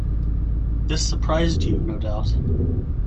This surprised you, no doubt?